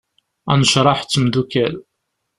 Anecraḥ d temddukal.